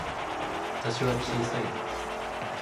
私は小さいです。